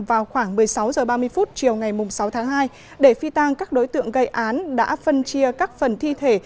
vào khoảng một mươi sáu h ba mươi chiều ngày sáu tháng hai để phi tan các đối tượng gây án đã phân chia các phần thi thể